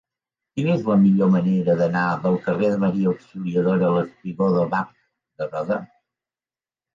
Quina és la millor manera d'anar del carrer de Maria Auxiliadora al espigó de Bac de Roda?